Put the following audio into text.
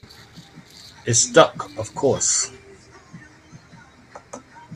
It stuck, of course.